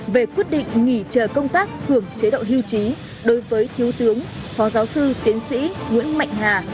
về quyết định nghỉ chờ công tác hưởng chế độ hưu trí đối với thiếu tướng phó giáo sư tiến sĩ nguyễn mạnh hà